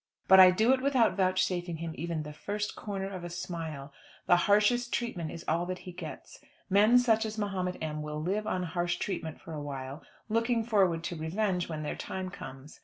But I do it without vouchsafing him even the first corner of a smile. The harshest treatment is all that he gets. Men such as Mahomet M. will live on harsh treatment for a while, looking forward to revenge when their time comes.